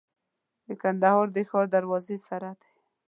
د کندهار د ښار دروازې سره دی.